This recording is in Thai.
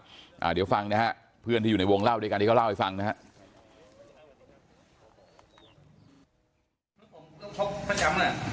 ที่เกิดเกิดเหตุอยู่หมู่๖บ้านน้ำผู้ตะมนต์ทุ่งโพนะครับที่เกิดเกิดเหตุอยู่หมู่๖บ้านน้ำผู้ตะมนต์ทุ่งโพนะครับ